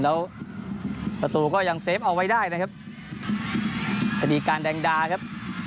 แล้วประตูก็ยังเฟฟเอาไว้ได้นะครับธดีการแดงดาครับ